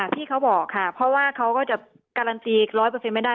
ที่เขาบอกค่ะเพราะว่าเขาก็จะการันตี๑๐๐ไม่ได้